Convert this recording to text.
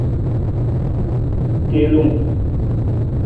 Telung.